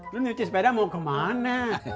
lu nyuci sepeda mau kemana